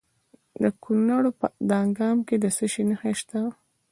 د کونړ په دانګام کې څه شی شته؟